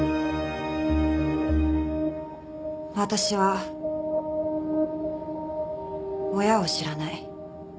私は親を知らない。